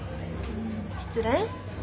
失恋？